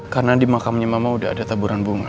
karena di makamnya mama udah ada taburan bunga